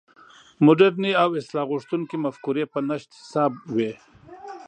مډرنې او اصلاح غوښتونکې مفکورې په نشت حساب وې.